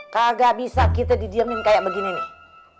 kagak bisa kita didiemin kayak begini nih